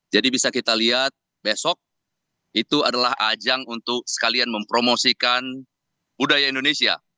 jadi bisa kita lihat besok itu adalah ajang untuk sekalian mempromosikan budaya indonesia